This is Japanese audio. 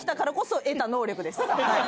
はい！